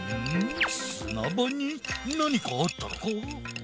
砂場になにかあったのか？